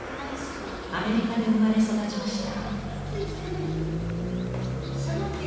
アメリカで生まれ育ちました。